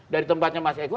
dari tempatnya mas eko